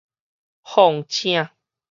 況且